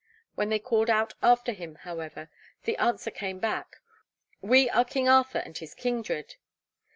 When they called out after him, however, the answer came back: 'We are King Arthur and his kindred.'